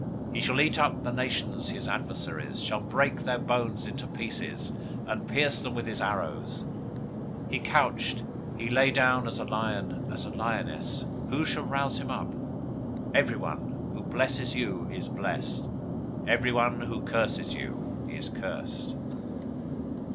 He shall eat up the nations his adversaries, shall break their bones in pieces, and pierce them with his arrows. 024:009 He couched, he lay down as a lion, as a lioness; who shall rouse him up? Everyone who blesses you is blessed. Everyone who curses you is cursed.